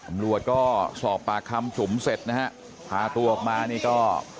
ตำรวจก็สอบปากคำจุ๋มเสร็จนะฮะพาตัวออกมานี่ก็